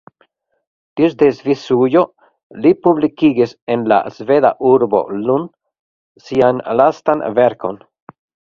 Disde Svisujo li publikigis en la sveda urbo Lund sian lastan verkon.